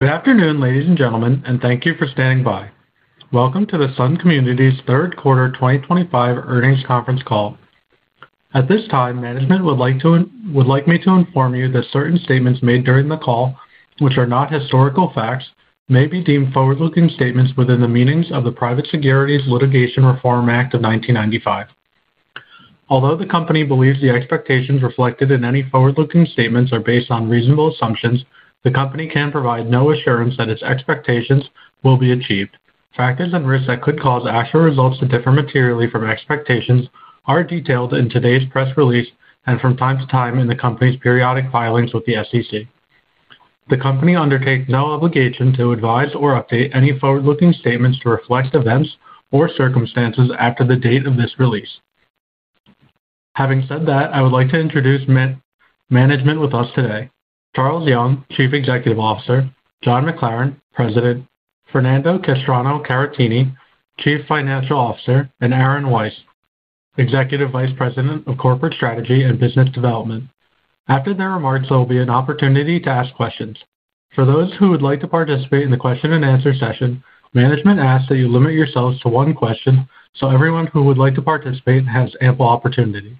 Good afternoon, ladies and gentlemen, and thank you for standing by. Welcome to the Sun Communities' third quarter 2025 earnings conference call. At this time, management would like to inform you that certain statements made during the call, which are not historical facts, may be deemed forward-looking statements within the meanings of the Private Securities Litigation Reform Act of 1995. Although the company believes the expectations reflected in any forward-looking statements are based on reasonable assumptions, the company can provide no assurance that its expectations will be achieved. Factors and risks that could cause actual results to differ materially from expectations are detailed in today's press release and from time to time in the company's periodic filings with the SEC. The company undertakes no obligation to advise or update any forward-looking statements to reflect events or circumstances after the date of this release. Having said that, I would like to introduce management with us today: Charles Young, Chief Executive Officer; John McLaren, President; Fernando Castro-Caratini, Chief Financial Officer; and Aaron Weiss, Executive Vice President of Corporate Strategy and Business Development. After their remarks, there will be an opportunity to ask questions. For those who would like to participate in the question-and-answer session, management asks that you limit yourselves to one question so everyone who would like to participate has ample opportunity.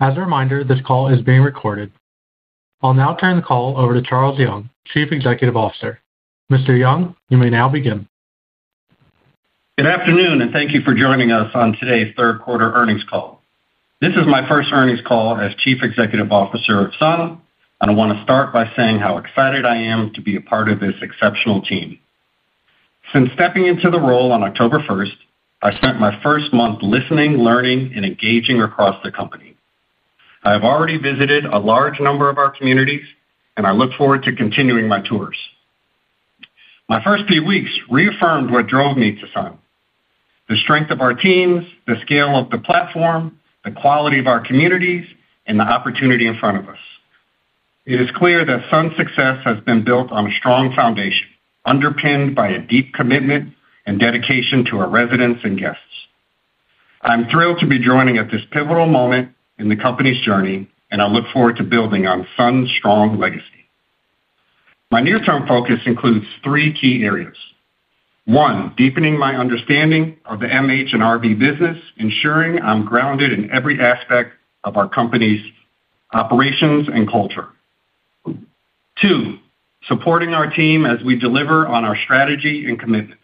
As a reminder, this call is being recorded. I'll now turn the call over to Charles Young, Chief Executive Officer. Mr. Young, you may now begin. Good afternoon, and thank you for joining us on today's third quarter earnings call. This is my first earnings call as Chief Executive Officer of Sun, and I want to start by saying how excited I am to be a part of this exceptional team. Since stepping into the role on October 1st, I spent my first month listening, learning, and engaging across the company. I have already visited a large number of our communities, and I look forward to continuing my tours. My first few weeks reaffirmed what drove me to Sun: the strength of our teams, the scale of the platform, the quality of our communities, and the opportunity in front of us. It is clear that Sun's success has been built on a strong foundation, underpinned by a deep commitment and dedication to our residents and guests. I'm thrilled to be joining at this pivotal moment in the company's journey, and I look forward to building on Sun's strong legacy. My near-term focus includes three key areas: one, deepening my understanding of the MH&RV business, ensuring I'm grounded in every aspect of our company's operations and culture; two, supporting our team as we deliver on our strategy and commitments;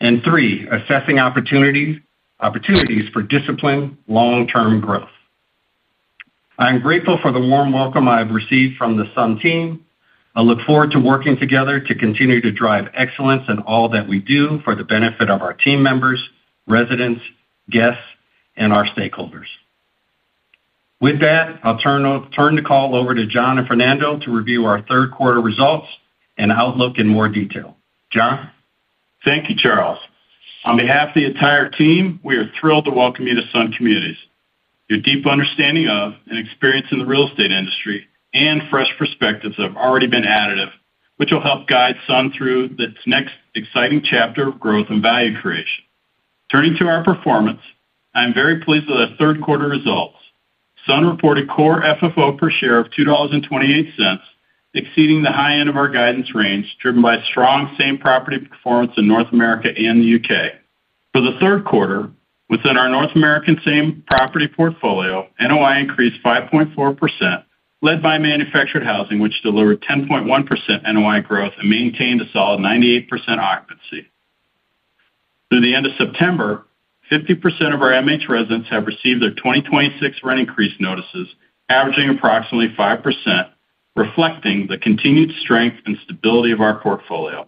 and three, assessing opportunities for disciplined long-term growth. I am grateful for the warm welcome I have received from the Sun team. I look forward to working together to continue to drive excellence in all that we do for the benefit of our team members, residents, guests, and our stakeholders. With that, I'll turn the call over to John and Fernando to review our third quarter results and outlook in more detail. John? Thank you, Charles. On behalf of the entire team, we are thrilled to welcome you to Sun Communities. Your deep understanding of and experience in the real estate industry and fresh perspectives have already been additive, which will help guide Sun through its next exciting chapter of growth and value creation. Turning to our performance, I am very pleased with our third quarter results. Sun reported core FFO per share of $2.28, exceeding the high end of our guidance range, driven by strong same property performance in North America and the U.K. For the third quarter, within our North American same property portfolio, NOI increased 5.4%, led by manufactured housing, which delivered 10.1% NOI growth and maintained a solid 98% occupancy through the end of September. 50% of our MH residents have received their 2026 rent increase notices, averaging approximately 5%, reflecting the continued strength and stability of our portfolio.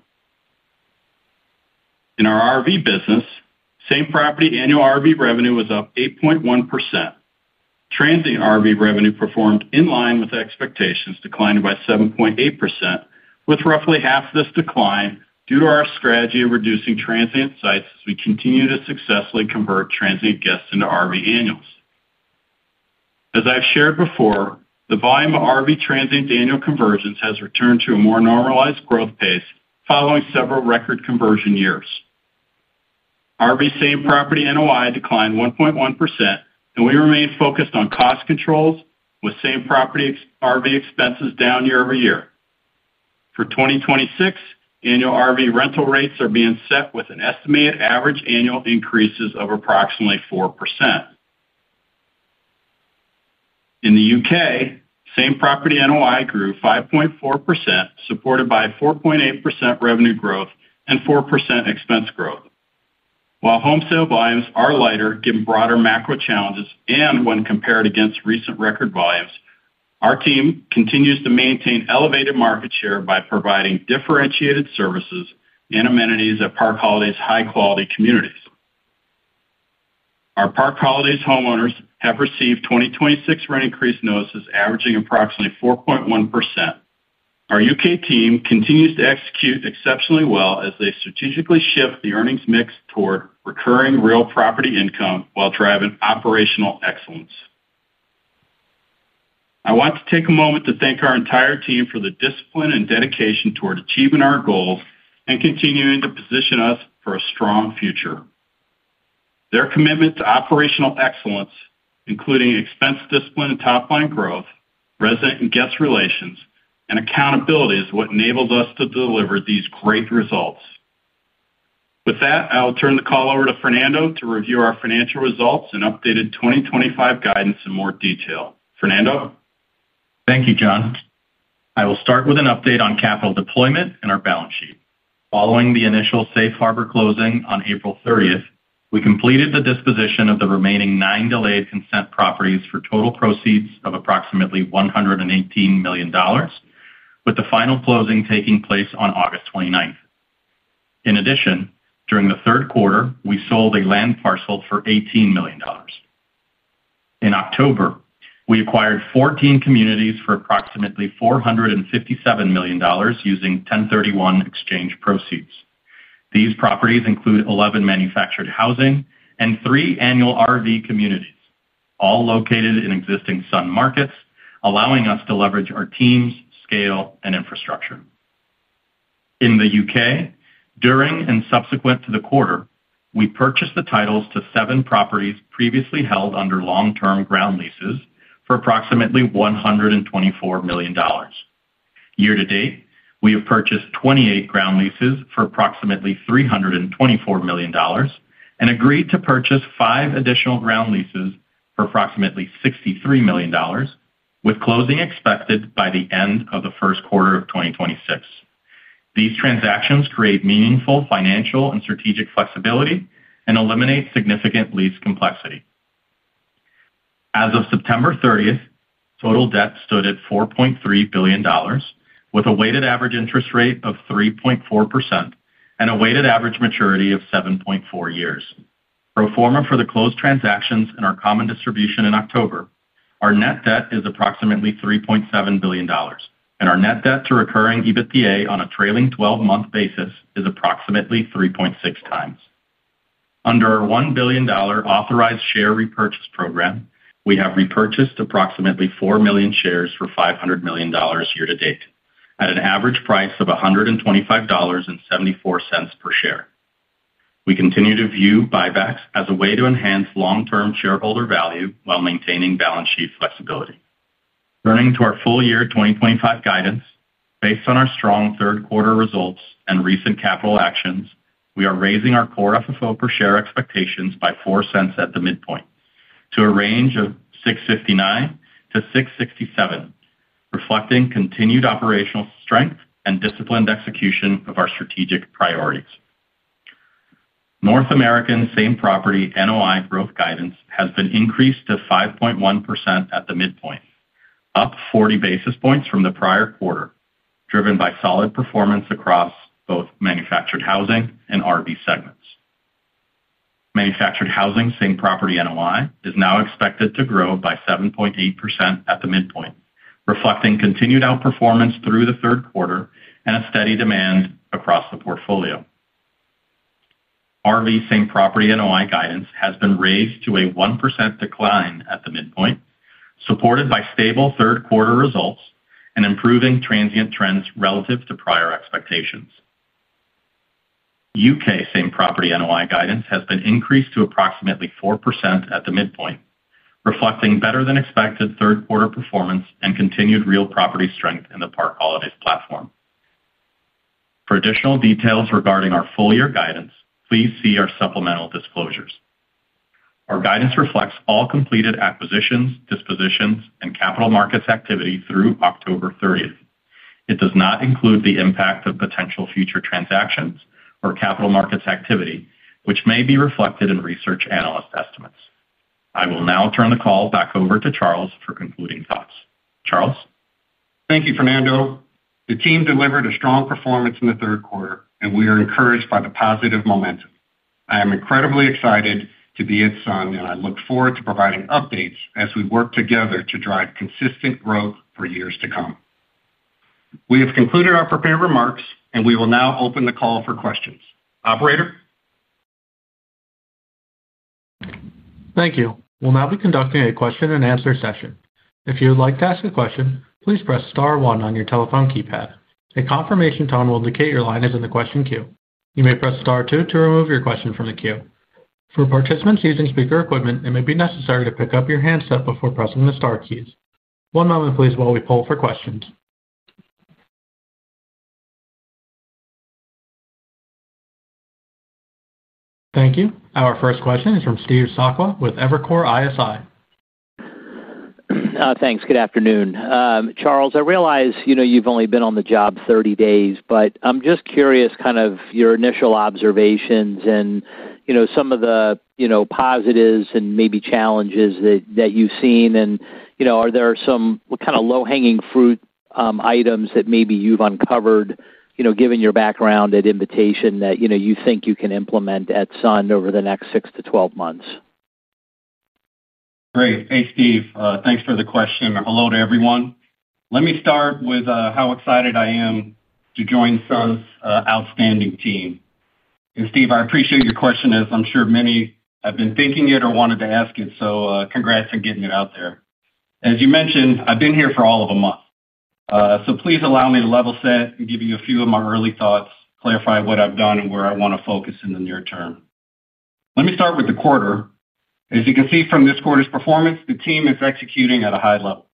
In our RV business, same property Annual RV revenue was up 8.1%. Transient RV revenue performed in line with expectations, declining by 7.8%, with roughly half this decline due to our strategy of reducing transient sites as we continue to successfully convert transient guests into RV annuals. As I've shared before, the volume of RV transient annual conversions has returned to a more normalized growth pace following several record conversion years. RV same property NOI declined 1.1%, and we remained focused on cost controls, with same property RV expenses down year-over-year. For 2026, Annual RV rental rates are being set with an estimated average annual increase of approximately 4%. In the U.K., same property NOI grew 5.4%, supported by 4.8% revenue growth and 4% expense growth. While home sale volumes are lighter given broader macro challenges and when compared against recent record volumes, our team continues to maintain elevated market share by providing differentiated services and amenities at Park Holidays' high-quality communities. Our Park Holidays homeowners have received 2026 rent increase notices averaging approximately 4.1%. Our U.K. team continues to execute exceptionally well as they strategically shift the earnings mix toward recurring real property income while driving operational excellence. I want to take a moment to thank our entire team for the discipline and dedication toward achieving our goals and continuing to position us for a strong future. Their commitment to operational excellence, including expense discipline and top-line growth, resident and guest relations, and accountability, is what enables us to deliver these great results. With that, I'll turn the call over to Fernando to review our financial results and updated 2025 guidance in more detail. Fernando? Thank you, John. I will start with an update on capital deployment and our balance sheet. Following the initial Safe Harbor closing on April 30th, we completed the disposition of the remaining nine delayed consent properties for total proceeds of approximately $118 million, with the final closing taking place on August 29. In addition, during the third quarter, we sold a land parcel for $18 million. In October, we acquired 14 communities for approximately $457 million using 1031 exchange proceeds. These properties include 11 manufactured housing and three Annual RV communities, all located in existing Sun markets, allowing us to leverage our team's scale and infrastructure. In the U.K., during and subsequent to the quarter, we purchased the titles to seven properties previously held under long-term ground leases for approximately $124 million. Year to date, we have purchased 28 ground leases for approximately $324 million and agreed to purchase five additional ground leases for approximately $63 million, with closing expected by the end of the first quarter of 2026. These transactions create meaningful financial and strategic flexibility and eliminate significant lease complexity. As of September 30th, total debt stood at $4.3 billion, with a weighted average interest rate of 3.4% and a weighted average maturity of 7.4 years. Pro forma for the closed transactions and our common distribution in October, our net debt is approximately $3.7 billion, and our net debt to recurring EBITDA on a trailing 12-month basis is approximately 3.6x. Under our $1 billion authorized share repurchase program, we have repurchased approximately 4 million shares for $500 million year to date at an average price of $125.74 per share. We continue to view buybacks as a way to enhance long-term shareholder value while maintaining balance sheet flexibility. Turning to our full year 2025 guidance, based on our strong third quarter results and recent capital actions, we are raising our core FFO per share expectations by $0.04 at the midpoint to a range of $6.59-$6.67, reflecting continued operational strength and disciplined execution of our strategic priorities. North American same property NOI growth guidance has been increased to 5.1% at the midpoint, up 40 basis points from the prior quarter, driven by solid performance across both manufactured housing and RV segments. Manufactured housing same property NOI is now expected to grow by 7.8% at the midpoint, reflecting continued outperformance through the third quarter and a steady demand across the portfolio. RV same property NOI guidance has been raised to a 1% decline at the midpoint, supported by stable third quarter results and improving transient trends relative to prior expectations. U.K. same property NOI guidance has been increased to approximately 4% at the midpoint, reflecting better than expected third quarter performance and continued real property strength in the Park Holidays platform. For additional details regarding our full year guidance, please see our supplemental disclosures. Our guidance reflects all completed acquisitions, dispositions, and capital markets activity through October 30. It does not include the impact of potential future transactions or capital markets activity, which may be reflected in research analyst estimates. I will now turn the call back over to Charles for concluding thoughts. Charles? Thank you, Fernando. The team delivered a strong performance in the third quarter, and we are encouraged by the positive momentum. I am incredibly excited to be at Sun, and I look forward to providing updates as we work together to drive consistent growth for years to come. We have concluded our prepared remarks, and we will now open the call for questions. Operator? Thank you. We'll now be conducting a question-and-answer session. If you would like to ask a question, please press star one on your telephone keypad. A confirmation tone will indicate your line is in the question queue. You may press star two to remove your question from the queue. For participants using speaker equipment, it may be necessary to pick up your handset before pressing the star keys. One moment, please, while we pull for questions. Thank you. Our first question is from Steve Sakwa with Evercore ISI. Thanks. Good afternoon. Charles, I realize you've only been on the job 30 days, but I'm just curious, kind of your initial observations and some of the positives and maybe challenges that you've seen. Are there some kind of low-hanging fruit items that maybe you've uncovered, given your background at Invitation, that you think you can implement at Sun over the next 6 to 12 months? Great. Thanks, Steve. Thanks for the question. Hello to everyone. Let me start with how excited I am to join Sun's outstanding team. Steve, I appreciate your question, as I'm sure many have been thinking it or wanted to ask it, so congrats on getting it out there. As you mentioned, I've been here for all of a month. Please allow me to level set and give you a few of my early thoughts, clarify what I've done and where I want to focus in the near term. Let me start with the quarter. As you can see from this quarter's performance, the team is executing at a high level.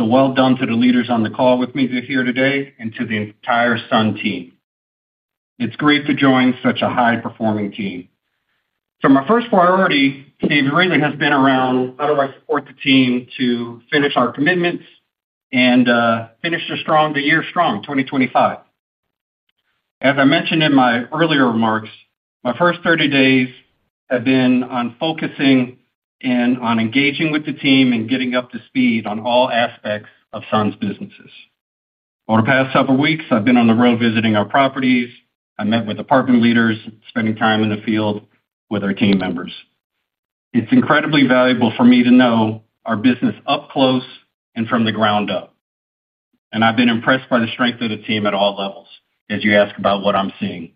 Well done to the leaders on the call with me here today and to the entire Sun team. It's great to join such a high-performing team. My first priority, Steve, really has been around how do I support the team to finish our commitments and finish the year strong 2025. As I mentioned in my earlier remarks, my first 30 days have been on focusing and on engaging with the team and getting up to speed on all aspects of Sun's businesses. Over the past several weeks, I've been on the road visiting our properties. I met with apartment leaders, spending time in the field with our team members. It's incredibly valuable for me to know our business up close and from the ground up. I've been impressed by the strength of the team at all levels, as you ask about what I'm seeing.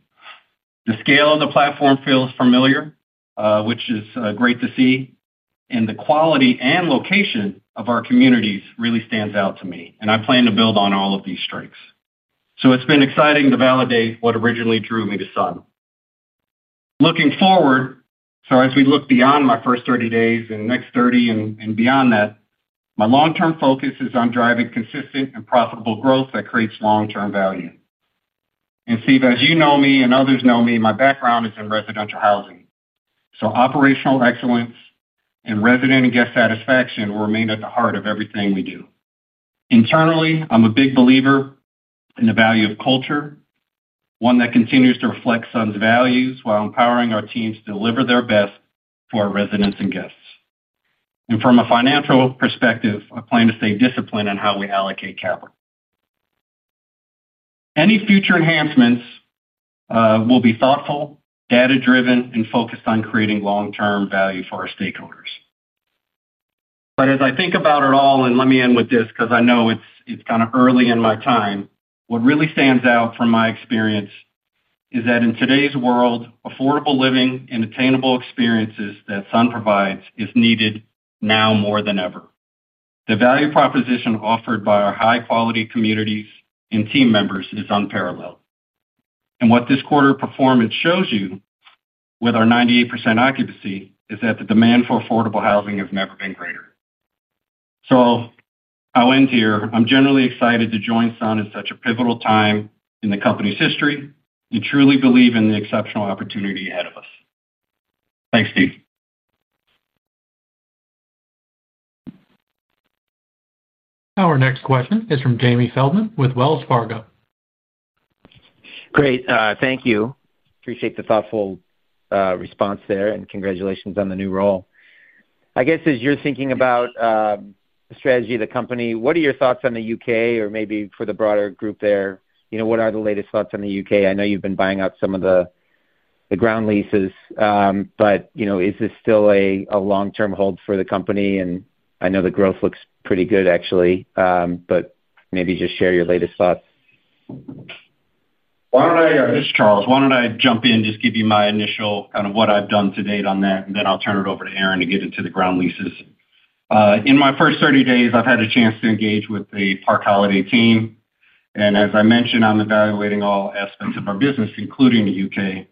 The scale of the platform feels familiar, which is great to see. The quality and location of our communities really stands out to me, and I plan to build on all of these strengths. It's been exciting to validate what originally drew me to Sun. Looking forward, as we look beyond my first 30 days and next 30 and beyond that, my long-term focus is on driving consistent and profitable growth that creates long-term value. Steve, as you know me and others know me, my background is in residential housing. Operational excellence and resident and guest satisfaction will remain at the heart of everything we do. Internally, I'm a big believer in the value of culture, one that continues to reflect Sun's values while empowering our teams to deliver their best for our residents and guests. From a financial perspective, I plan to stay disciplined in how we allocate capital. Any future enhancements will be thoughtful, data-driven, and focused on creating long-term value for our stakeholders. As I think about it all, let me end with this because I know it's kind of early in my time. What really stands out from my experience is that in today's world, affordable living and attainable experiences that Sun provides is needed now more than ever. The value proposition offered by our high-quality communities and team members is unparalleled. What this quarter performance shows you with our 98% occupancy is that the demand for affordable housing has never been greater. I'll end here. I'm generally excited to join Sun in such a pivotal time in the company's history and truly believe in the exceptional opportunity ahead of us. Thanks, Steve. Our next question is from Jamie Feldman with Wells Fargo. Great, thank you. Appreciate the thoughtful response there, and congratulations on the new role. I guess as you're thinking about the strategy of the company, what are your thoughts on the U.K. or maybe for the broader group there? What are the latest thoughts on the U.K.? I know you've been buying up some of the ground leases. Is this still a long-term hold for the company? I know the growth looks pretty good, actually, but maybe just share your latest thoughts. Why don't I, this is Charles. Why don't I jump in and just give you my initial kind of what I've done to date on that, and then I'll turn it over to Aaron to get into the ground leases. In my first 30 days, I've had a chance to engage with the Park Holidays team. As I mentioned, I'm evaluating all aspects of our business, including the U.K.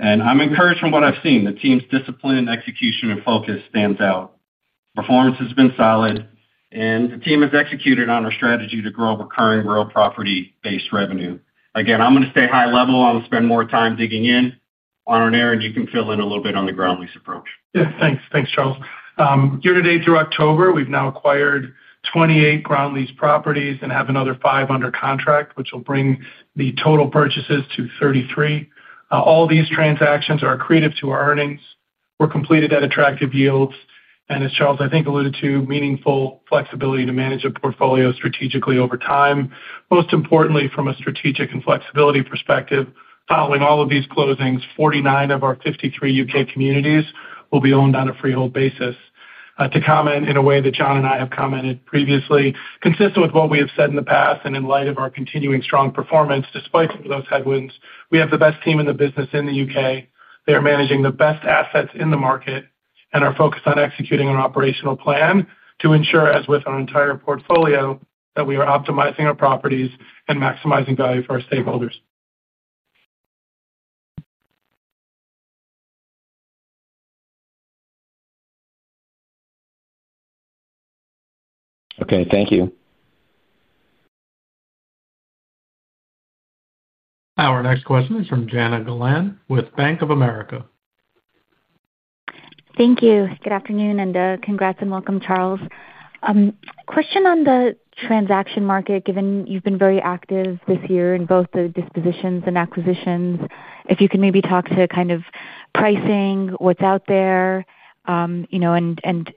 I'm encouraged from what I've seen. The team's discipline, execution, and focus stands out. Performance has been solid, and the team has executed on our strategy to grow recurring real property-based revenue. I'm going to stay high level. I'll spend more time digging in. Aaron, you can fill in a little bit on the ground lease approach. Yeah. Thanks. Thanks, Charles. Year to date through October, we've now acquired 28 ground lease properties and have another five under contract, which will bring the total purchases to 33. All these transactions are accretive to our earnings. They were completed at attractive yields. As Charles, I think, alluded to, meaningful flexibility to manage a portfolio strategically over time, most importantly from a strategic and flexibility perspective, following all of these closings, 49 of our 53 U.K. communities will be owned on a freehold basis. To comment in a way that John and I have commented previously, consistent with what we have said in the past, and in light of our continuing strong performance, despite some of those headwinds, we have the best team in the business in the U.K. They are managing the best assets in the market and are focused on executing an operational plan to ensure, as with our entire portfolio, that we are optimizing our properties and maximizing value for our stakeholders. Okay, thank you. Our next question is from Jana Galan with Bank of America. Thank you. Good afternoon and congrats and welcome, Charles. Question on the transaction market, given you've been very active this year in both the dispositions and acquisitions, if you can maybe talk to kind of pricing, what's out there, and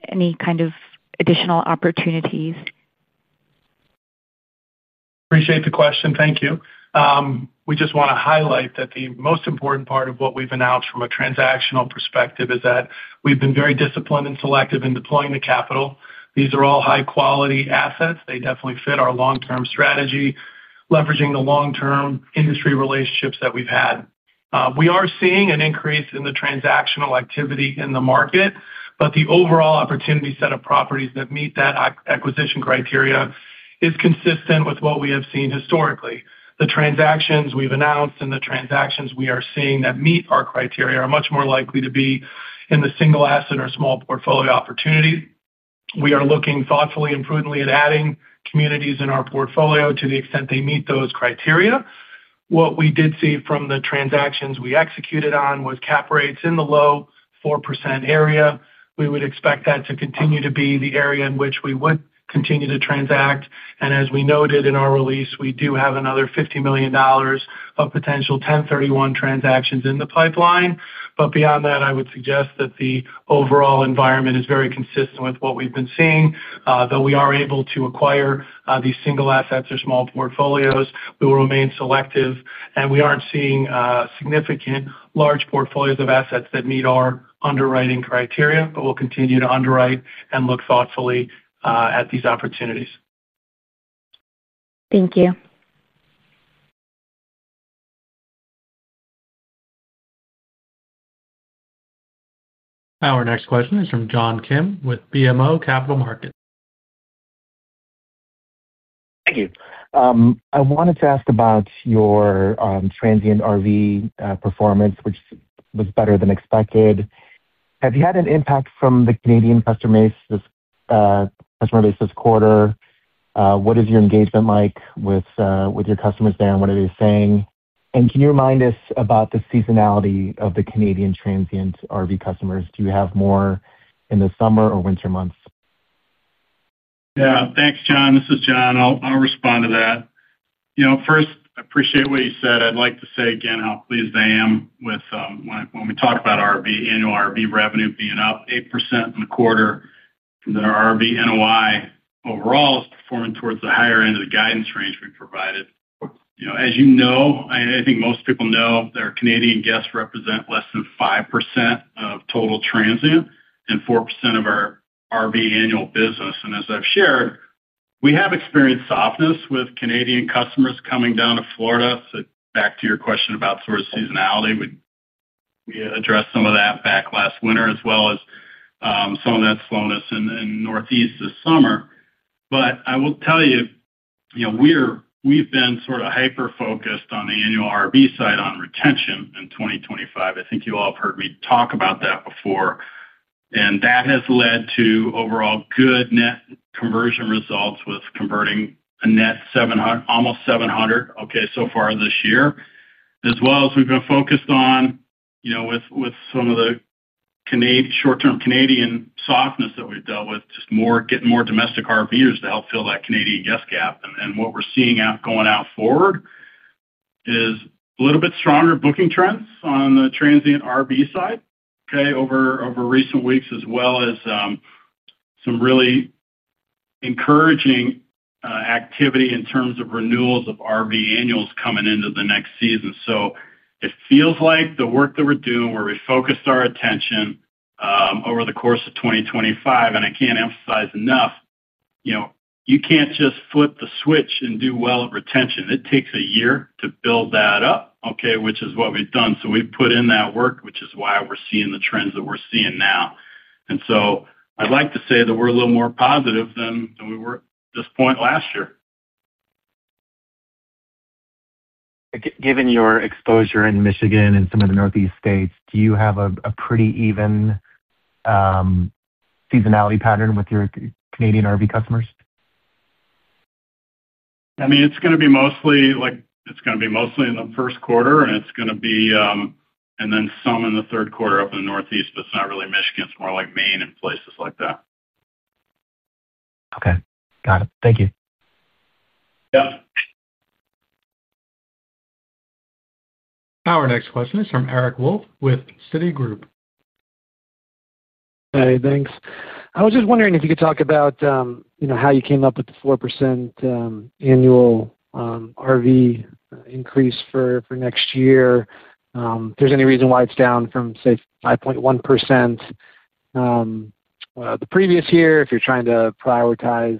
any kind of additional opportunities. Appreciate the question. Thank you. We just want to highlight that the most important part of what we've announced from a transactional perspective is that we've been very disciplined and selective in deploying the capital. These are all high-quality assets. They definitely fit our long-term strategy, leveraging the long-term industry relationships that we've had. We are seeing an increase in the transactional activity in the market, but the overall opportunity set of properties that meet that acquisition criteria is consistent with what we have seen historically. The transactions we've announced and the transactions we are seeing that meet our criteria are much more likely to be in the single asset or small portfolio opportunity. We are looking thoughtfully and prudently at adding communities in our portfolio to the extent they meet those criteria. What we did see from the transactions we executed on was cap rates in the low 4% area. We would expect that to continue to be the area in which we would continue to transact. As we noted in our release, we do have another $50 million of potential 1031 exchange transactions in the pipeline. Beyond that, I would suggest that the overall environment is very consistent with what we've been seeing. Though we are able to acquire these single assets or small portfolios, we will remain selective. We aren't seeing significant large portfolios of assets that meet our underwriting criteria, but we'll continue to underwrite and look thoughtfully at these opportunities. Thank you. Our next question is from John Kim with BMO Capital Markets. Thank you. I wanted to ask about your Transient RV performance, which was better than expected. Have you had an impact from the Canadian customer base this quarter? What is your engagement like with your customers there, and what are they saying? Can you remind us about the seasonality of the Canadian Transient RV customers? Do you have more in the summer or winter months? Yeah. Thanks, John. This is John. I'll respond to that. First, I appreciate what you said. I'd like to say again how pleased I am with when we talk about Annual RV revenue being up 8% in the quarter, that our RV NOI overall is performing towards the higher end of the guidance range we provided. As you know, I think most people know that our Canadian guests represent less than 5% of total transient and 4% of our RV annual business. As I've shared, we have experienced softness with Canadian customers coming down to Florida. Back to your question about sort of seasonality, we addressed some of that back last winter as well as some of that slowness in the Northeast this summer. I will tell you we've been sort of hyper-focused on the Annual RV side on retention in 2025. I think you all have heard me talk about that before. That has led to overall good net conversion results with converting a net almost 700, okay, so far this year. As well as we've been focused on, with some of the short-term Canadian softness that we've dealt with, just getting more domestic RVers to help fill that Canadian guest gap. What we're seeing going out forward is a little bit stronger booking trends on the Transient RV side, okay, over recent weeks, as well as some really encouraging activity in terms of renewals of RV annuals coming into the next season. It feels like the work that we're doing, where we focused our attention over the course of 2025, and I can't emphasize enough, you can't just flip the switch and do well at retention. It takes a year to build that up, okay, which is what we've done. We've put in that work, which is why we're seeing the trends that we're seeing now. I'd like to say that we're a little more positive than we were at this point last year. Given your exposure in Michigan and some of the Northeast states, do you have a pretty even seasonality pattern with your Canadian RV customers? It's going to be mostly in the first quarter, and then some in the third quarter up in the Northeast. It's not really Michigan; it's more like Maine and places like that. Okay, got it. Thank you. Our next question is from Eric Wolfe with Citigroup. Hey, thanks. I was just wondering if you could talk about how you came up with the 4% Annual RV increase for next year. If there's any reason why it's down from, say, 5.1% the previous year, if you're trying to prioritize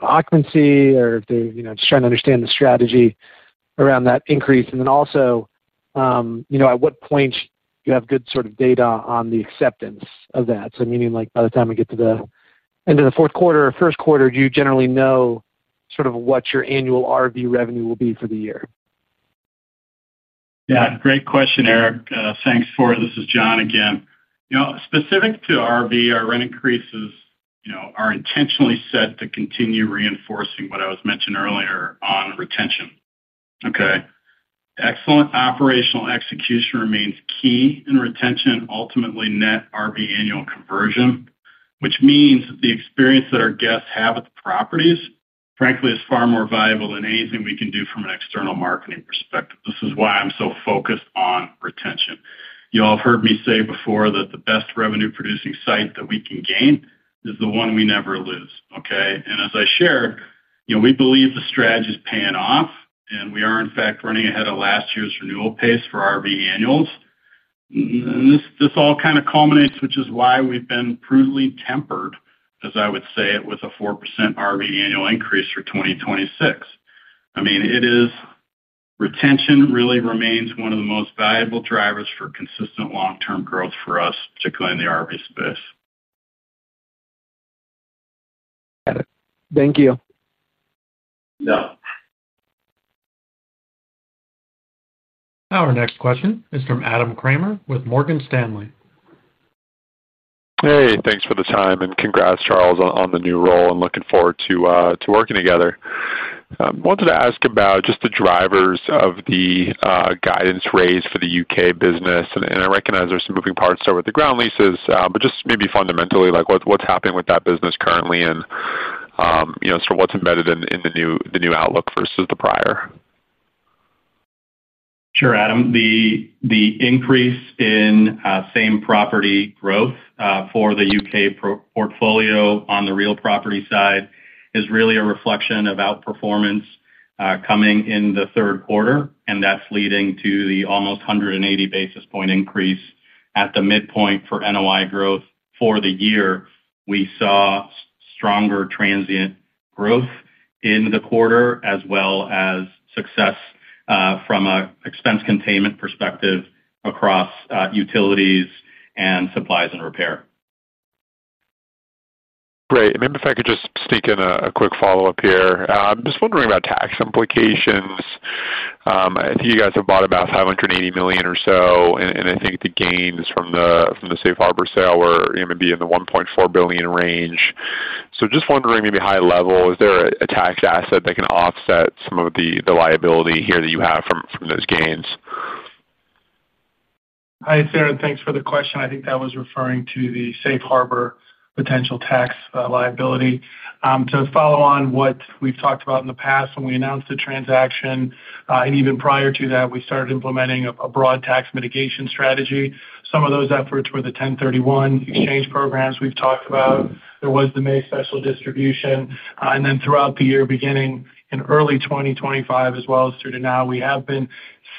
occupancy or if they're just trying to understand the strategy around that increase. Also, at what point do you have good sort of data on the acceptance of that? Meaning, by the time we get to the end of the fourth quarter or first quarter, do you generally know sort of what your Annual RV revenue will be for the year? Yeah. Great question, Eric. Thanks for it. This is John again. Specific to RV, our rent increases are intentionally set to continue reinforcing what I was mentioning earlier on retention. Excellent operational execution remains key in retention, ultimately net RV annual conversion, which means that the experience that our guests have with the properties, frankly, is far more valuable than anything we can do from an external marketing perspective. This is why I'm so focused on retention. You all have heard me say before that the best revenue-producing site that we can gain is the one we never lose. As I shared, we believe the strategy is paying off, and we are, in fact, running ahead of last year's renewal pace for RV annuals. This all kind of culminates, which is why we've been prudently tempered, as I would say it, with a 4% RV annual increase for 2026. Retention really remains one of the most valuable drivers for consistent long-term growth for us, particularly in the RV space. Got it. Thank you. Our next question is from Adam Kramer with Morgan Stanley. Hey, thanks for the time. Congrats, Charles, on the new role. I'm looking forward to working together. I wanted to ask about the drivers of the guidance raised for the U.K. business. I recognize there's some moving parts there with the ground leases, but maybe fundamentally, what's happening with that business currently, and what's embedded in the new outlook versus the prior? Sure, Adam. The increase in same property growth for the U.K. portfolio on the real property side is really a reflection of outperformance coming in the third quarter. That's leading to the almost 180 basis point increase at the midpoint for NOI growth for the year. We saw stronger transient growth in the quarter as well as success from an expense containment perspective across utilities and supplies and repair. Great. Maybe if I could just sneak in a quick follow-up here. I'm just wondering about tax implications. I think you guys have bought about $580 million or so, and I think the gains from the Safe Harbor sale were going to be in the $1.4 billion range. Just wondering maybe high level, is there a tax asset that can offset some of the liability here that you have from those gains? Hi, Adam. Thanks for the question. I think that was referring to the Safe Harbor potential tax liability. To follow on what we've talked about in the past, when we announced the transaction, and even prior to that, we started implementing a broad tax mitigation strategy. Some of those efforts were the 1031 exchange programs we've talked about. There was the May special distribution. Throughout the year, beginning in early 2025 as well as through to now, we have been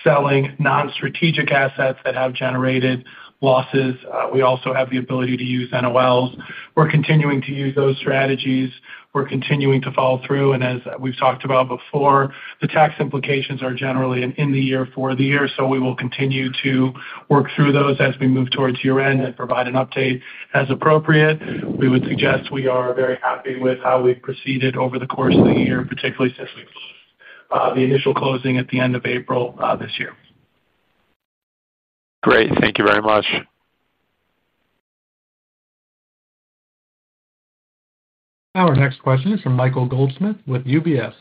selling non-strategic assets that have generated losses. We also have the ability to use NOLs. We're continuing to use those strategies. We're continuing to follow through. As we've talked about before, the tax implications are generally in the year for the year. We will continue to work through those as we move towards year-end and provide an update as appropriate. We would suggest we are very happy with how we've proceeded over the course of the year, particularly since we closed the initial closing at the end of April this year. Great, thank you very much. Our next question is from Michael Goldsmith with UBS.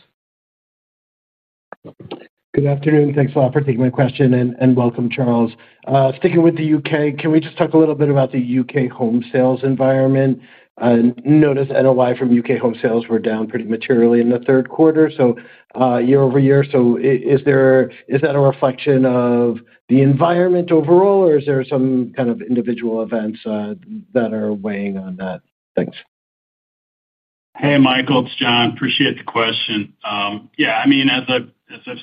Good afternoon. Thanks a lot for taking my question and welcome, Charles. Sticking with the U.K., can we just talk a little bit about the U.K. home sales environment? I noticed NOI from U.K. home sales were down pretty materially in the third quarter, year-over-year. Is that a reflection of the environment overall, or is there some kind of individual events that are weighing on that? Thanks. Hey, Michael. It's John. Appreciate the question. Yeah. I mean, as I've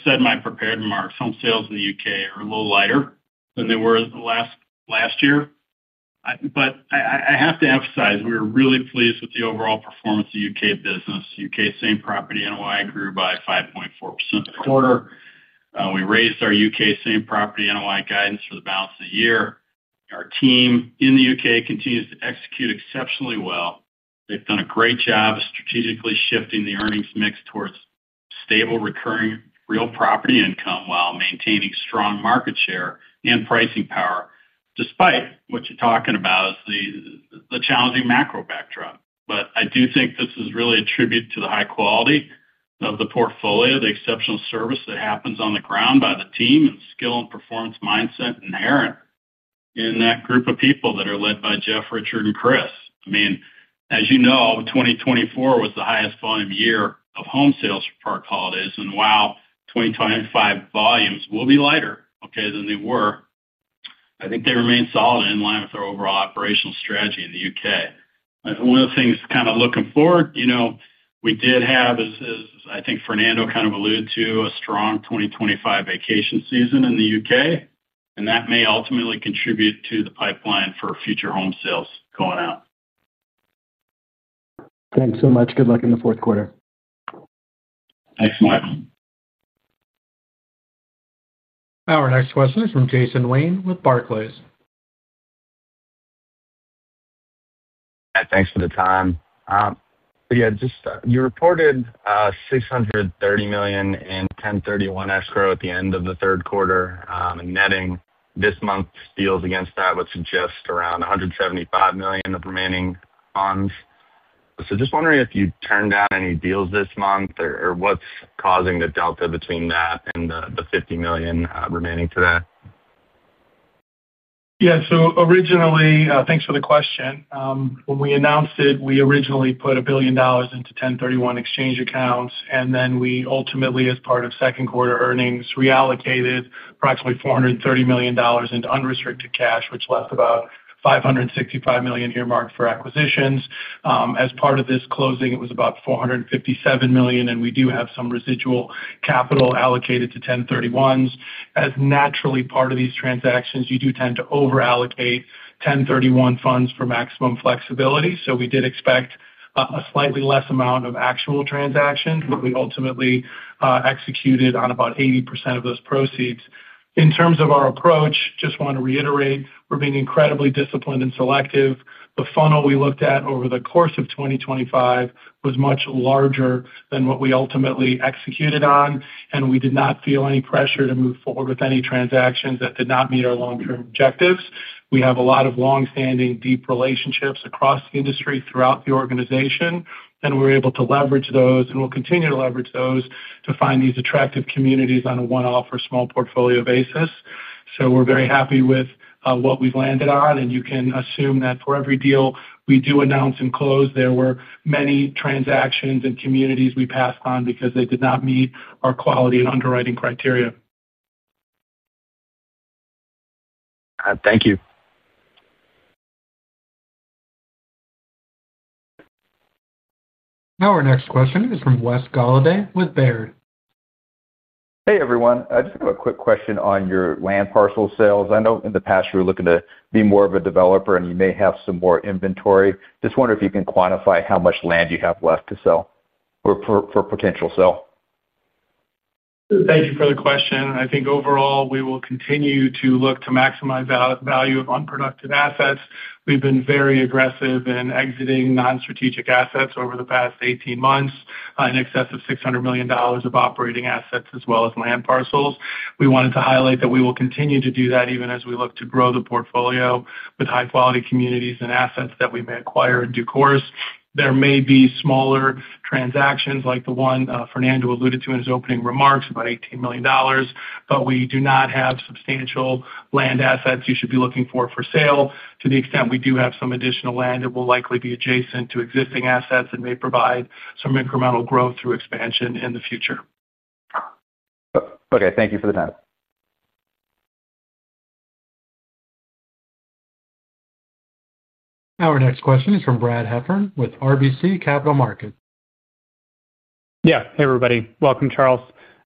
said in my prepared remarks, home sales in the U.K. are a little lighter than they were last year. I have to emphasize, we were really pleased with the overall performance of the U.K. business. U.K. same property NOI grew by 5.4% this quarter. We raised our U.K. same property NOI guidance for the balance of the year. Our team in the U.K. continues to execute exceptionally well. They've done a great job of strategically shifting the earnings mix towards stable recurring real property income while maintaining strong market share and pricing power, despite what you're talking about is the challenging macro backdrop. I do think this is really attributed to the high quality of the portfolio, the exceptional service that happens on the ground by the team, and the skill and performance mindset inherent in that group of people that are led by Jeff, Richard, and Chris. As you know, 2024 was the highest volume year of home sales for Park Holidays. While 2025 volumes will be lighter than they were, I think they remain solid and in line with our overall operational strategy in the U.K. One of the things kind of looking forward, we did have, as I think Fernando kind of alluded to, a strong 2025 vacation season in the U.K. That may ultimately contribute to the pipeline for future home sales going out. Thanks so much. Good luck in the fourth quarter. Thanks, Michael. Our next question is from Jason Wayne with Barclays. Thanks for the time. You reported $630 million in 1031 escrow at the end of the third quarter. Netting this month's deals against that would suggest around $175 million of remaining funds. I'm just wondering if you turned down any deals this month or what's causing the delta between that and the $50 million remaining today? Yeah. Originally, thanks for the question. When we announced it, we originally put $1 billion into 1031 exchange accounts. We ultimately, as part of second quarter earnings, reallocated approximately $430 million into unrestricted cash, which left about $565 million earmarked for acquisitions. As part of this closing, it was about $457 million. We do have some residual capital allocated to 1031s. As naturally part of these transactions, you do tend to overallocate 1031 funds for maximum flexibility. We did expect a slightly less amount of actual transaction, but we ultimately executed on about 80% of those proceeds. In terms of our approach, just want to reiterate, we're being incredibly disciplined and selective. The funnel we looked at over the course of 2025 was much larger than what we ultimately executed on. We did not feel any pressure to move forward with any transactions that did not meet our long-term objectives. We have a lot of long-standing deep relationships across the industry throughout the organization. We're able to leverage those and will continue to leverage those to find these attractive communities on a one-off or small portfolio basis. We're very happy with what we've landed on. You can assume that for every deal we do announce and close, there were many transactions and communities we passed on because they did not meet our quality and underwriting criteria. Thank you. Our next question is from Wes Golladay with Baird. Hey, everyone. I just have a quick question on your land parcel sales. I know in the past you were looking to be more of a developer, and you may have some more inventory. Just wonder if you can quantify how much land you have left to sell or for potential sale. Thank you for the question. I think overall, we will continue to look to maximize value of unproductive assets. We've been very aggressive in exiting non-strategic assets over the past 18 months in excess of $600 million of operating assets as well as land parcels. We wanted to highlight that we will continue to do that even as we look to grow the portfolio with high-quality communities and assets that we may acquire in due course. There may be smaller transactions like the one Fernando alluded to in his opening remarks about $18 million, but we do not have substantial land assets you should be looking for for sale. To the extent we do have some additional land, that will likely be adjacent to existing assets and may provide some incremental growth through expansion in the future. Okay, thank you for the time. Our next question is from Brad Heffern with RBC Capital Markets. Yeah. Hey, everybody. Welcome, Charles.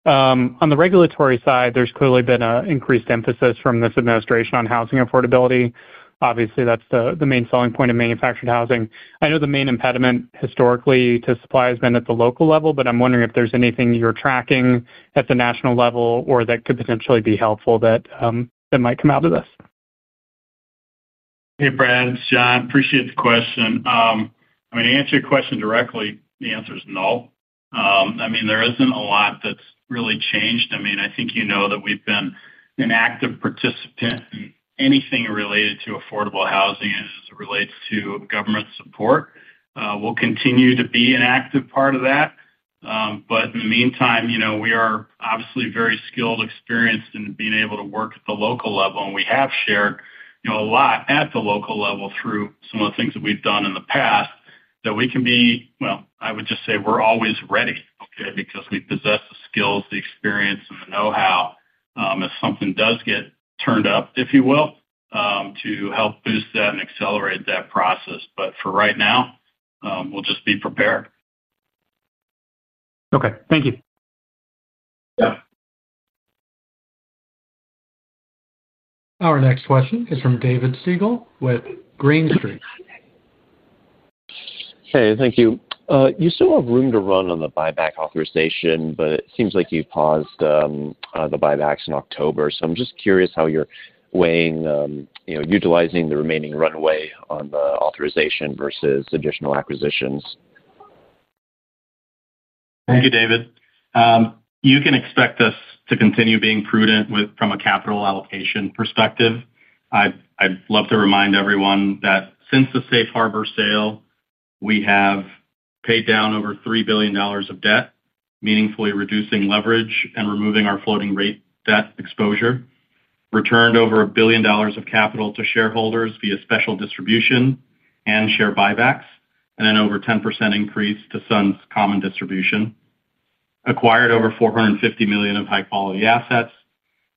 On the regulatory side, there's clearly been an increased emphasis from this administration on housing affordability. Obviously, that's the main selling point of manufactured housing. I know the main impediment historically to supply has been at the local level, but I'm wondering if there's anything you're tracking at the national level or that could potentially be helpful that might come out of this. Hey, Brad. It's John. Appreciate the question. To answer your question directly, the answer is no. There isn't a lot that's really changed. I think you know that we've been an active participant in anything related to affordable housing as it relates to government support. We'll continue to be an active part of that. In the meantime, we are obviously very skilled and experienced in being able to work at the local level. We have shared a lot at the local level through some of the things that we've done in the past that we can be—I would just say we're always ready, okay, because we possess the skills, the experience, and the know-how if something does get turned up, if you will, to help boost that and accelerate that process. For right now, we'll just be prepared. Okay, thank you. Our next question is from David Segall with Green Street. Thank you. You still have room to run on the buyback authorization, but it seems like you paused the buybacks in October. I'm just curious how you're weighing utilizing the remaining runway on the authorization versus additional acquisitions. Thank you, David. You can expect us to continue being prudent from a capital allocation perspective. I'd love to remind everyone that since the Safe Harbor sale, we have paid down over $3 billion of debt, meaningfully reducing leverage and removing our floating-rate debt exposure, returned over $1 billion of capital to shareholders via special distribution and share buybacks, and an over 10% increase to Sun's common distribution, acquired over $450 million of high-quality assets,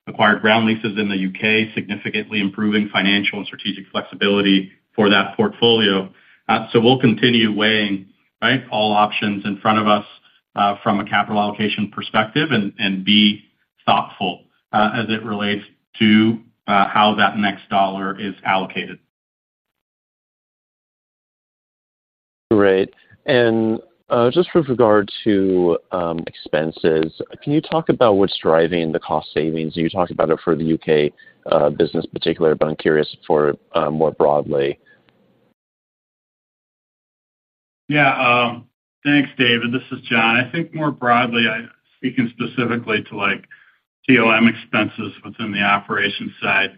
acquired ground leases in the U.K., significantly improving financial and strategic flexibility for that portfolio. We will continue weighing all options in front of us from a capital allocation perspective and be thoughtful as it relates to how that next dollar is allocated. Great. With regard to expenses, can you talk about what's driving the cost savings? You talked about it for the U.K. business particularly, but I'm curious for more broadly. Yeah. Thanks, David. This is John. I think more broadly, speaking specifically to TOM expenses within the operation side,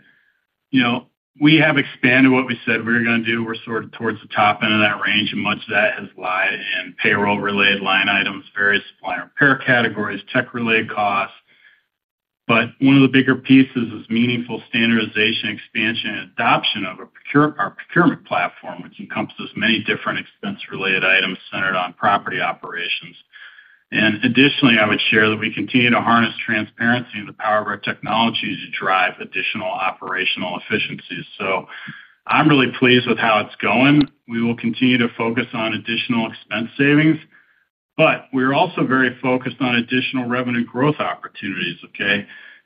we have expanded what we said we were going to do. We're sort of towards the top end of that range, and much of that has lied in payroll-related line items, various supply and repair categories, tech-related costs. One of the bigger pieces is meaningful standardization, expansion, and adoption of our procurement platform, which encompasses many different expense-related items centered on property operations. Additionally, I would share that we continue to harness transparency and the power of our technology to drive additional operational efficiencies. I'm really pleased with how it's going. We will continue to focus on additional expense savings, but we're also very focused on additional revenue growth opportunities,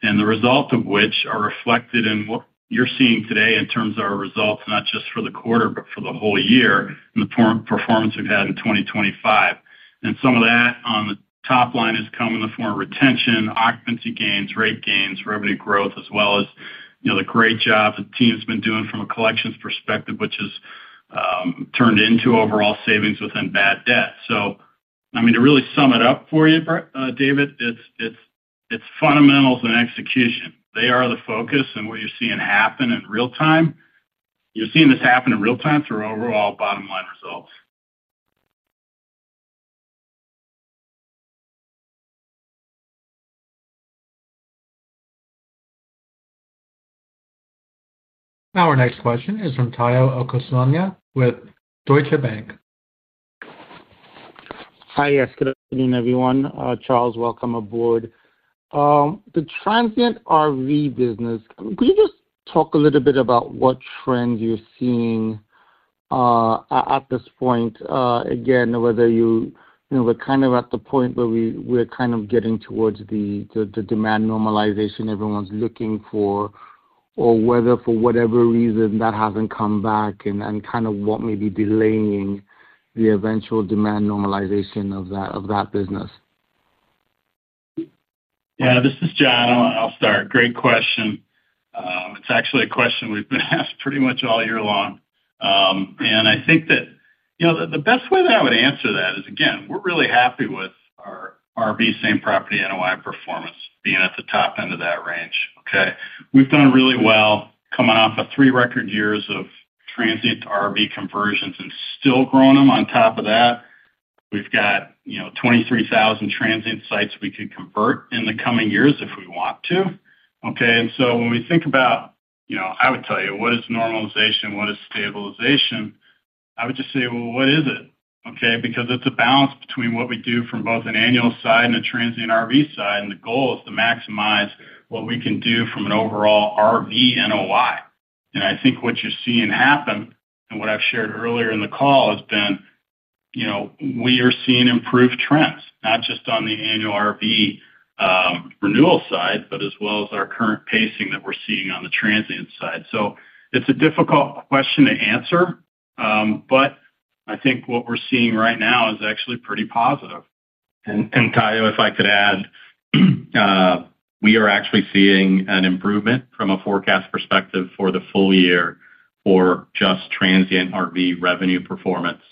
and the result of which are reflected in what you're seeing today in terms of our results, not just for the quarter, but for the whole year and the performance we've had in 2025. Some of that on the top line has come in the form of retention, occupancy gains, rate gains, revenue growth, as well as the great job the team has been doing from a collections perspective, which has turned into overall savings within bad debt. To really sum it up for you, David, it's fundamentals and execution. They are the focus and what you're seeing happen in real time. You're seeing this happen in real time through overall bottom-line results. Our next question is from Omotayo Okusanya with Deutsche Bank. Hi. Yes. Good afternoon, everyone. Charles, welcome aboard. The Transient RV business, could you just talk a little bit about what trends you're seeing at this point? Whether you were kind of at the point where we're kind of getting towards the demand normalization everyone's looking for, or whether, for whatever reason, that hasn't come back and what may be delaying the eventual demand normalization of that business. Yeah. This is John. I'll start. Great question. It's actually a question we've been asked pretty much all year long. I think that the best way that I would answer that is, again, we're really happy with our RV same property NOI performance being at the top end of that range, okay? We've done really well coming off of three record years of Transient RV conversions and still growing them. On top of that, we've got 23,000 transient sites we could convert in the coming years if we want to, okay? When we think about it, I would tell you, what is normalization, what is stabilization, I would just say, what is it, okay? Because it's a balance between what we do from both an annual side and a Transient RV side. The goal is to maximize what we can do from an overall RV NOI. I think what you're seeing happen and what I've shared earlier in the call has been, we are seeing improved trends, not just on the Annual RV renewal side, but as well as our current pacing that we're seeing on the transient side. It's a difficult question to answer, but I think what we're seeing right now is actually pretty positive. Tayo, if I could add, we are actually seeing an improvement from a forecast perspective for the full year for just Transient RV revenue performance.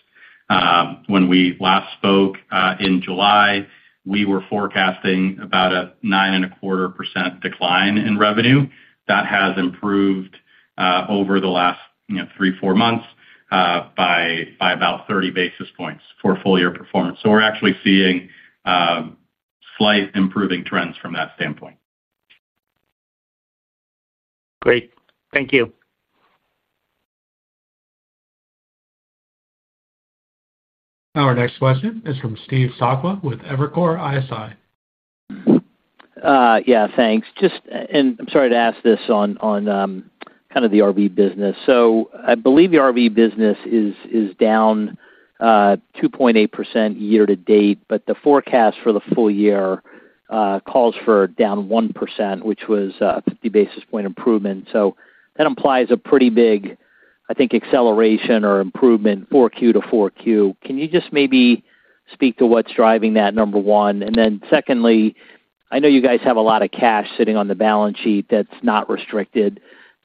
When we last spoke in July, we were forecasting about a 9.25% decline in revenue. That has improved over the last three, four months by about 30 basis points for full-year performance. We're actually seeing slight improving trends from that standpoint. Great. Thank you. Our next question is from Steve Sakwa with Evercore ISI. Yeah. Thanks. I'm sorry to ask this on the RV business. I believe the RV business is down 2.8% year to date, but the forecast for the full year calls for down 1%, which was a 50 basis point improvement. That implies a pretty big, I think, acceleration or improvement 4Q to 4Q. Can you just maybe speak to what's driving that, number one? Secondly, I know you guys have a lot of cash sitting on the balance sheet that's not restricted.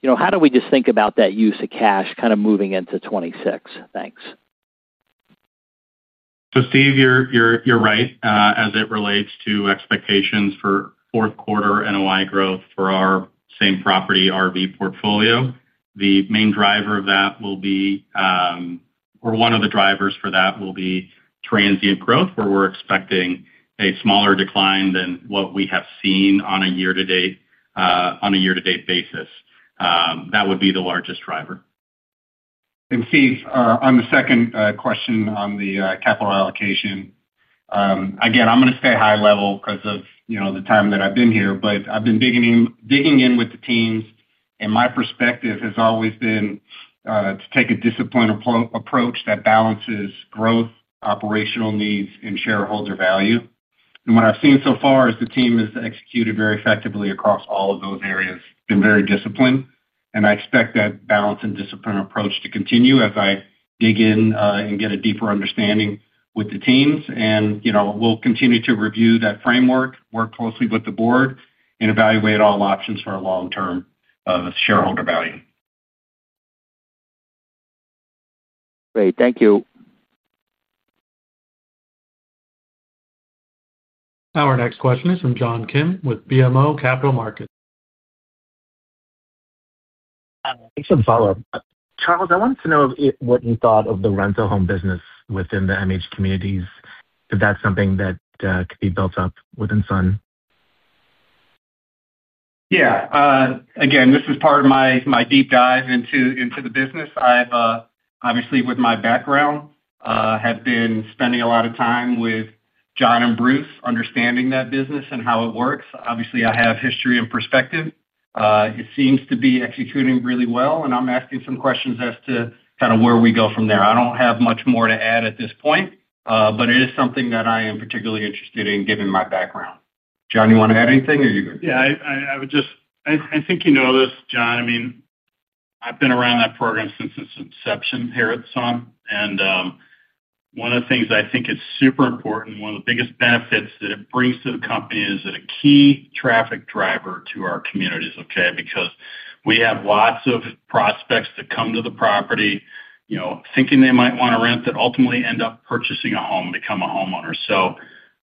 How do we just think about that use of cash kind of moving into 2026? Thanks. You're right as it relates to expectations for fourth-quarter NOI growth for our same property RV portfolio. The main driver of that will be, or one of the drivers for that will be, transient growth, where we're expecting a smaller decline than what we have seen on a year-to-date basis. That would be the largest driver. On the second question on the capital allocation, I'm going to stay high level because of the time that I've been here, but I've been digging in with the teams, and my perspective has always been to take a disciplined approach that balances growth, operational needs, and shareholder value. What I've seen so far is the team has executed very effectively across all of those areas, been very disciplined. I expect that balance and discipline approach to continue as I dig in and get a deeper understanding with the teams. We'll continue to review that framework, work closely with the board, and evaluate all options for long-term shareholder value. Great. Thank you. Our next question is from John Kim with BMO Capital Markets. Thanks for the follow-up. Charles, I wanted to know what you thought of the rental home business within the manufactured housing communities, if that's something that could be built up within Sun. Yeah. Again, this is part of my deep dive into the business. Obviously, with my background, I have been spending a lot of time with John and Bruce understanding that business and how it works. Obviously, I have history and perspective. It seems to be executing really well, and I'm asking some questions as to kind of where we go from there. I don't have much more to add at this point, but it is something that I am particularly interested in given my background. John, you want to add anything, or are you good? Yeah. I think you know this, John. I mean, I've been around that program since its inception here at Sun. One of the things I think is super important, one of the biggest benefits that it brings to the company is that it is a key traffic driver to our communities, because we have lots of prospects that come to the property thinking they might want to rent that ultimately end up purchasing a home and become a homeowner.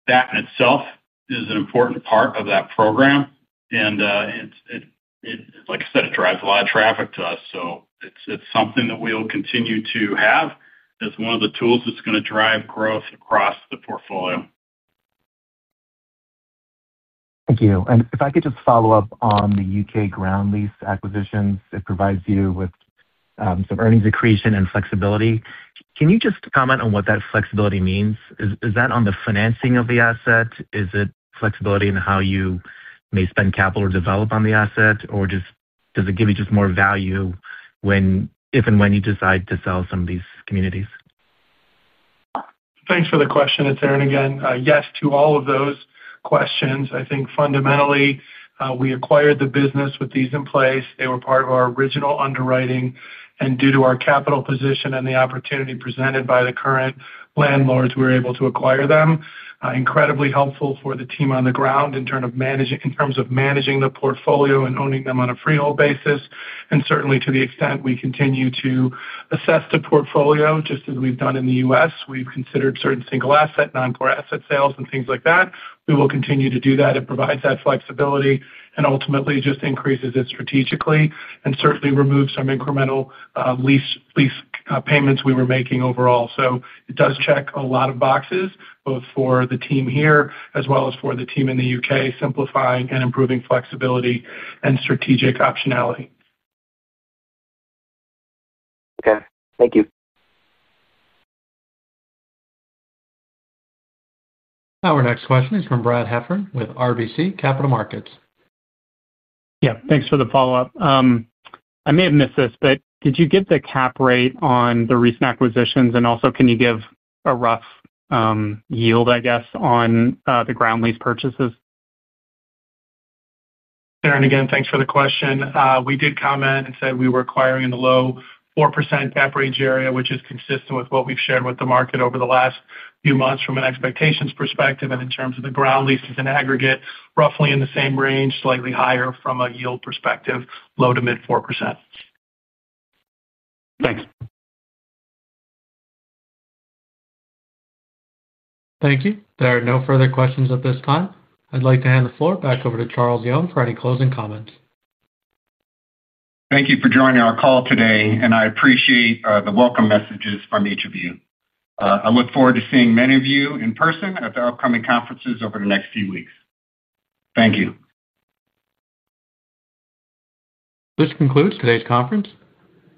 That in itself is an important part of that program. Like I said, it drives a lot of traffic to us. It is something that we'll continue to have as one of the tools that's going to drive growth across the portfolio. Thank you. If I could just follow up on the U.K. ground lease acquisitions, it provides you with some earnings accretion and flexibility. Can you just comment on what that flexibility means? Is that on the financing of the asset? Is it flexibility in how you may spend capital or develop on the asset? Does it give you just more value if and when you decide to sell some of these communities? Thanks for the question, Aaron again. Yes to all of those questions. I think fundamentally, we acquired the business with these in place. They were part of our original underwriting. Due to our capital position and the opportunity presented by the current landlords, we were able to acquire them. Incredibly helpful for the team on the ground in terms of managing the portfolio and owning them on a freehold basis. Certainly, to the extent we continue to assess the portfolio, just as we've done in the U.S., we've considered certain single asset, non-core asset sales, and things like that. We will continue to do that. It provides that flexibility and ultimately just increases it strategically and certainly removes some incremental lease payments we were making overall. It does check a lot of boxes, both for the team here as well as for the team in the U.K., simplifying and improving flexibility and strategic optionality. Okay, thank you. Our next question is from Brad Heffern with RBC Capital Markets. Yeah. Thanks for the follow-up. I may have missed this, but could you give the cap rate on the recent acquisitions? Could you give a rough yield, I guess, on the ground lease purchases? Aaron again, thanks for the question. We did comment and said we were acquiring in the low 4% cap rate range area, which is consistent with what we've shared with the market over the last few months from an expectations perspective. In terms of the ground leases in aggregate, roughly in the same range, slightly higher from a yield perspective, low to mid 4%. Thanks. Thank you. There are no further questions at this time. I'd like to hand the floor back over to Charles Young for any closing comments. Thank you for joining our call today, and I appreciate the welcome messages from each of you. I look forward to seeing many of you in person at the upcoming conferences over the next few weeks. Thank you. This concludes today's conference.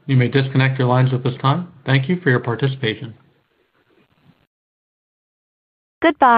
You may disconnect your lines at this time. Thank you for your participation.